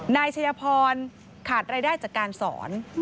นายชัยพรขาดรายได้จากการสอน